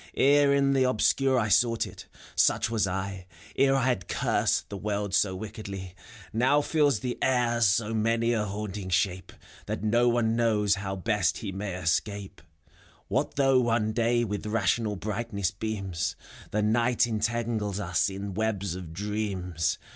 Ere in the Obscure I sought it, such was I, — Ere I had cursed the world so wickedly. 236 FAUST. Now fills the air so many a haunting shape, That no one knows how best he may escape. What though One Day with rational brightness beams, The Night entangles us in webs of dreams.